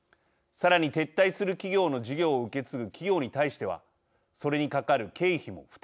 さらに、撤退する企業の事業を受け継ぐ企業に対してはそれにかかる経費も負担。